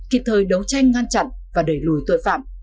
kịp thời đấu tranh ngăn chặn và đẩy lùi tội phạm